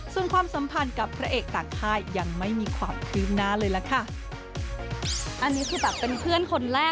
ส่วนความสัมพันธ์กับพระเอกต่างค่ายยังไม่มีความคืบหน้าเลยล่ะค่ะ